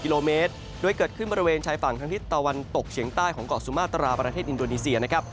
กิโลเมตรโดยเกิดขึ้นบริเวณชายฝั่งทางทิศตะวันตกเฉียงใต้ของเกาะสุมาตราประเทศอินโดนีเซียนะครับ